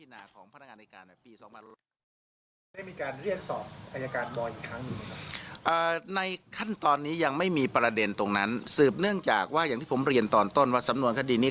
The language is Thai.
ในขั้นตอนนี้ยังไม่มีประเด็นตรงนั้น